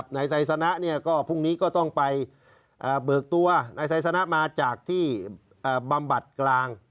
นายไซสนะก็พรุ่งนี้ก็ต้องไปเบิกตัวนายไซสนะมาจากที่บำบัดกลาง